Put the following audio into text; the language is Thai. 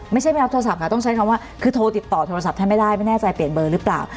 ไม่รับโทรศัพท์ค่ะต้องใช้คำว่าคือโทรติดต่อโทรศัพท์ท่านไม่ได้ไม่แน่ใจเปลี่ยนเบอร์หรือเปล่า